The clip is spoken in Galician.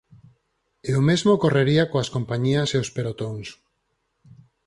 E o mesmo ocorrería coas compañías e os pelotóns.